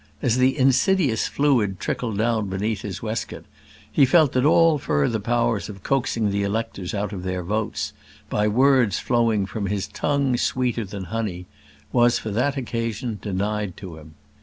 As the insidious fluid trickled down beneath his waistcoat, he felt that all further powers of coaxing the electors out of their votes, by words flowing from his tongue sweeter than honey, was for that occasion denied to him.